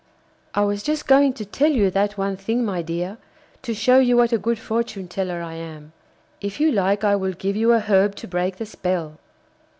'I was just going to tell you that one thing, my dear, to show you what a good fortune teller I am. If you like, I will give you a herb to break the spell.